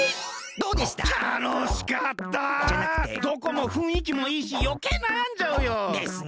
どこもふんいきもいいしよけいなやんじゃうよ。ですね。